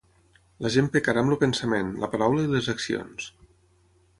La gent pecarà amb el pensament, la paraula i les accions.